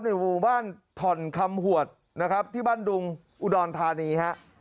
หมู่บ้านถ่อนคำหวดนะครับที่บ้านดุงอุดรธานีฮะ